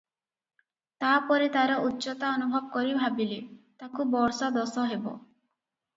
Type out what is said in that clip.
ତାପରେ ତାର ଉଚ୍ଚତା ଅନୁଭବ କରି ଭାବିଲେ, ତାକୁ ବର୍ଷ ଦଶ ହେବ ।